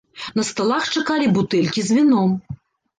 На сталах чакалі бутэлькі з віном.